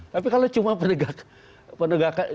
tapi kalau cuma penegakan